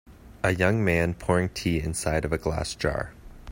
a young man pouring tea inside of a glass jar.